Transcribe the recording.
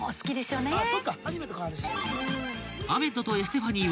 ［アメッドとエステファニーは］